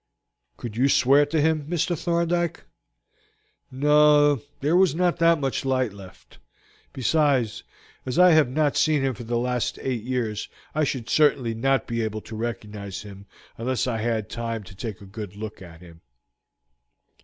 "Could you swear to him,' Mr. Thorndyke?" "No, there was not much light left; besides, as I have not seen him for the last eight years, I should certainly not be able to recognize him unless I had time to have a good look at him.